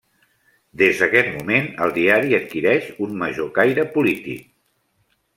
Des d'aquest moment, el diari adquireix un major caire polític.